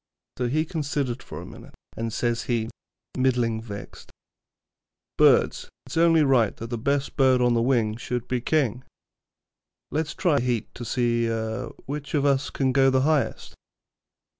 So he considered for a minute, and says he, middling vexed: 'Birds, it's only right that the best bird on the wing should be king; let's try a heat to see which of us can go the highest.'